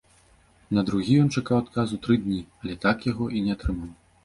На другі ён чакаў адказу тры дні, але так яго і не атрымаў.